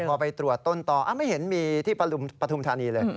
พอไปตรวจต้นต่อไม่เห็นมีที่ปฐุมธานีเลย